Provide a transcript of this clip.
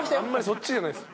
そっちじゃないです。